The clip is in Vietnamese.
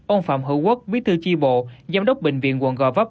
ông phạm hữu quốc bí thư chi bộ giám đốc bệnh viện quận gò vấp